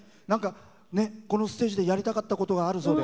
このステージでやりたかったことがあるそうで。